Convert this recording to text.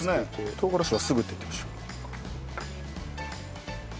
唐辛子はすぐって言ってました。